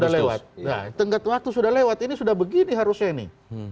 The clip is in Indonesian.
nah tenggat waktu sudah lewat ini sudah begini harusnya ini